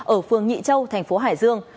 ở phương nhị châu thành phố hải dương